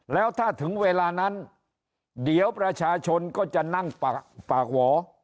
แล้วถ้าถึงเวลานั้นเดี๋ยวประชาชนก็จะนั่งปากหวอ